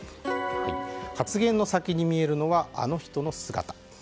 発言の先に見えるのはあの人の姿。